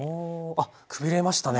あっくびれましたね。